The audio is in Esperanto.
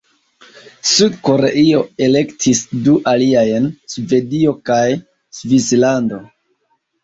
Sud-Koreio elektis du aliajn: Svedio kaj Svislando.